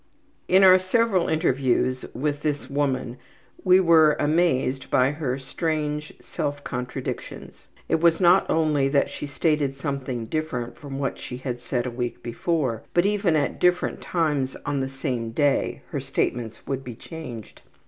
In our several interviews with this woman we were amazed by her strange self contradictions. It was not only that she stated something different from what she had said a week before, but even at different times on the same day her statements would be changed.